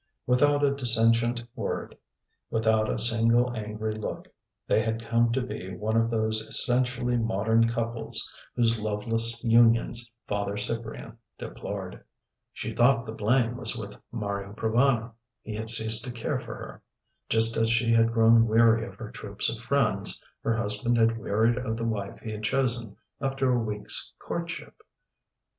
Without a dissentient word, without a single angry look, they had come to be one of those essentially modern couples whose loveless unions Father Cyprian deplored. She thought the blame was with Mario Provana. He had ceased to care for her. Just as she had grown weary of her troops of friends, her husband had wearied of the wife he had chosen after a week's courtship.